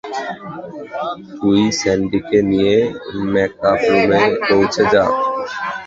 তুই স্যান্ডিকে নিয়ে ম্যাকাপ রুমে পৌঁছে যা।